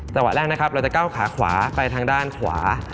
จังหวะแรกนะครับเราจะก้าวขาขวาไปทางด้านขวา